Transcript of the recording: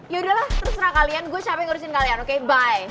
ya udahlah terserah kalian gue siapin ngurusin kalian okay bye